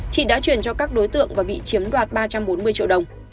chị đã chuyển cho các đối tượng và bị chiếm đoạt ba trăm bốn mươi triệu đồng